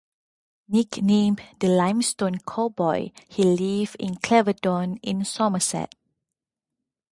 Nicknamed The Limestone Cowboy, he lives in Clevedon in Somerset.